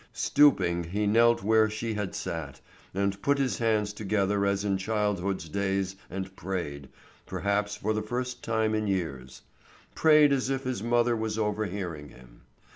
Stooping he knelt where she had sat, and put his hands together as in childhood's days and prayed, perhaps for the first time in years; prayed as if his mother was overhearing him.